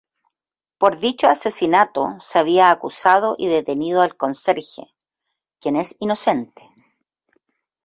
Por dicho asesinato se había acusado y detenido al conserje, quien es inocente.